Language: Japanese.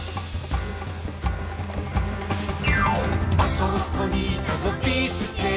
「あそこにいたぞビーすけ」